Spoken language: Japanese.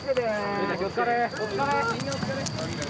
みんなお疲れ！